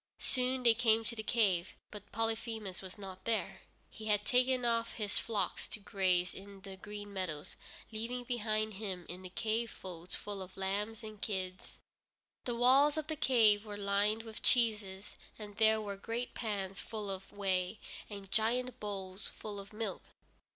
Soon they came to the cave, but Polyphemus was not there. He had taken off his flocks to graze in the green meadows, leaving behind him in the cave folds full of lambs and kids. The walls of the cave were lined with cheeses, and there were great pans full of whey, and giant bowls full of milk.